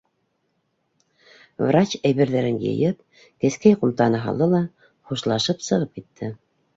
Врач, әйберҙәрен йыйып, кескәй ҡумтаһына һалды ла хушлашып сығып китте.